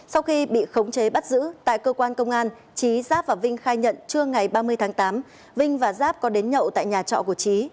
sau khi bị khống chế bắt giữ tại cơ quan công an trí giáp và vinh khai nhận trưa ngày ba mươi tháng tám vinh và giáp có đến nhậu tại nhà trọ của trí